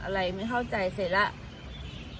อะไรไม่เข้าใจเสร็จแล้ว